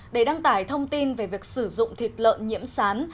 để đăng tải thông tin về việc sử dụng thịt lợn nhiễm sán